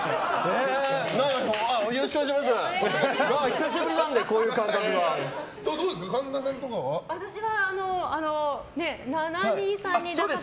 久しぶりなので、こういう番組は。